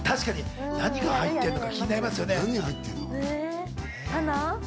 確かに何が入ってるか気になりますよね。